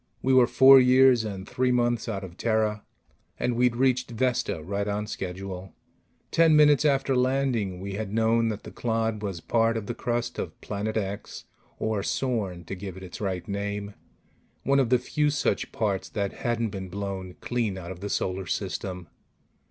We were four years and three months out of Terra, and we'd reached Vesta right on schedule. Ten minutes after landing, we had known that the clod was part of the crust of Planet X or Sorn, to give it its right name one of the few such parts that hadn't been blown clean out of the Solar System.